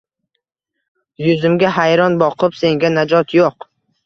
Yuzimga hayron boqib senga najot yo’q